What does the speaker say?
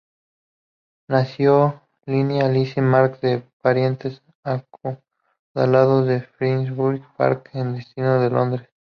Nació Lilian Alice Marks de parientes acaudalados de Finsbury Park distrito de Londres.